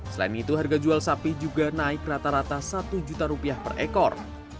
selain itu harga jual sapi juga naik rata rata satu juta rupiah per ekor